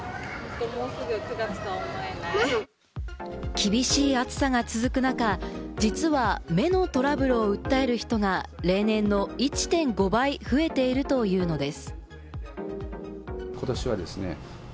厳しい暑さが続く中、実は目のトラブルを訴える人が例年の１．５倍、増えているというのです。